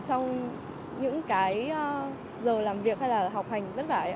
xong những cái giờ làm việc hay là học hành vất vảy